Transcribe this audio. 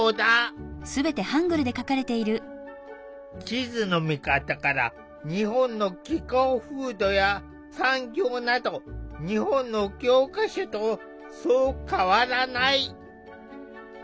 地図の見方から日本の気候風土や産業など日本の教科書とそう変わらない。